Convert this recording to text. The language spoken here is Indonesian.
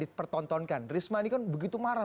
dipertontonkan risma ini kan begitu marah